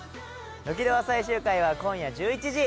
『ノキドア』最終回は今夜１１時。